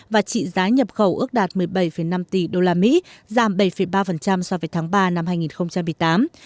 và trị giá nhập khẩu ước đạt một mươi bảy năm tỷ usd giảm bảy ba so với tháng ba năm hai nghìn một mươi tám